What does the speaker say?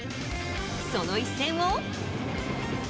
その一戦を。